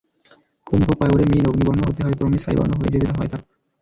কুম্ভ কয়, ওরে মীন, অগ্নিবর্ণ হতে হয়, ক্রমে ছাইবর্ণ হয়ে যেতে হয়তারপর।